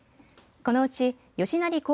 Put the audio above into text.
このうち吉成弘